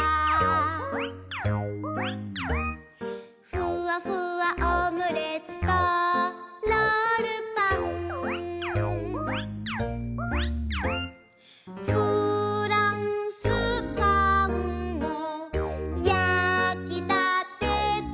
「ふわふわオムレツとロールパン」「フランスパンも焼きたてだ」